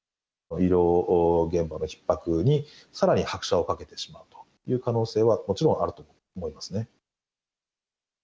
医療現場のひっ迫に、さらに拍車をかけてしまうという可能性はもちろんあると思います。